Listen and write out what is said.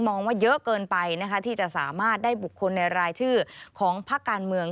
มองว่าเยอะเกินไปนะคะที่จะสามารถได้บุคคลในรายชื่อของพักการเมือง